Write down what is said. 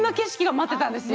待っていたんですよ。